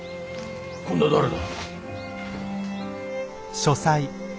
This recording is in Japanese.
今度は誰だ？